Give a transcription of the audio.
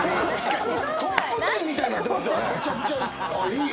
「トップテン」みたいになってますよね。